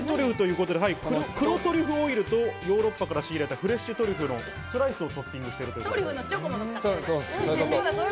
黒トリュフオイルと、ヨーロッパから仕入れた、フレッシュトリュフのスライスをトッピングしたものです。